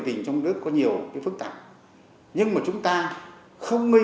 thì chúng tôi sẽ phải tham nhũng cho các nước